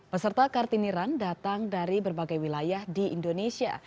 peserta kartini run datang dari berbagai wilayah di indonesia